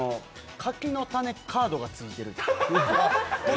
柿の種カードがついてる？